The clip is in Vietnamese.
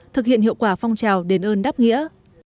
thực hiện hiệu quả phong trào đền ơn đáp nghĩa